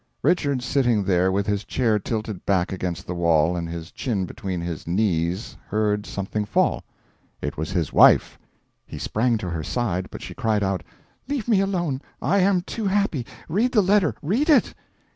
Richards, sitting there with his chair tilted back against the wall and his chin between his knees, heard something fall. It was his wife. He sprang to her side, but she cried out: "Leave me alone, I am too happy. Read the letter read it!"